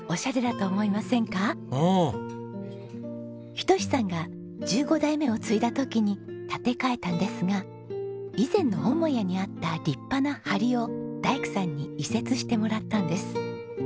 仁さんが１５代目を継いだ時に建て替えたんですが以前の母屋にあった立派な梁を大工さんに移設してもらったんです。